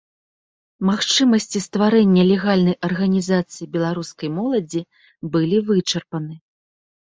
Магчымасці стварэння легальнай арганізацыі беларускай моладзі былі вычарпаны.